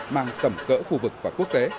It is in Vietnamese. mang tẩm cỡ khu vực và quốc tế